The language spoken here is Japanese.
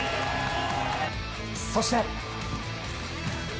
そして。